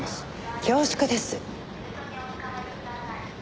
恐縮です。